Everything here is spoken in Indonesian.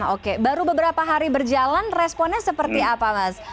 oke baru beberapa hari berjalan responnya seperti apa mas